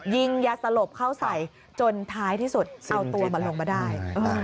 ยิงยาสลบเข้าใส่จนท้ายที่สุดเอาตัวมันลงมาได้